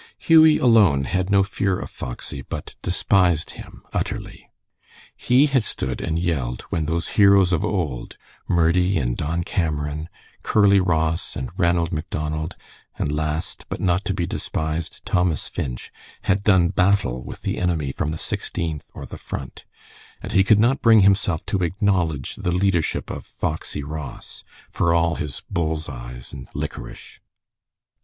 Hughie alone had no fear of Foxy, but despised him utterly. He had stood and yelled when those heroes of old, Murdie and Don Cameron, Curly Ross, and Ranald Macdonald, and last but not to be despised Thomas Finch, had done battle with the enemy from the Sixteenth or the Front, and he could not bring himself to acknowledge the leadership of Foxy Ross, for all his bull's eyes and liquorice.